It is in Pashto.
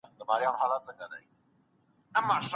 اوږده پاڼه ډنډ ته یوسه.